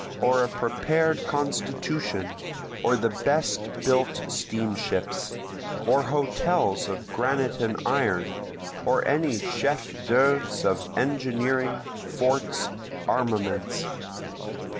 or a prepared constitution? or the best built steamships? Or hotels of granite and iron? or any chef d'œuvres of engineering, forts, armaments?